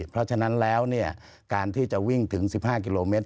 เพราะฉะนั้นแล้วการที่จะวิ่งถึง๑๕กิโลเมตร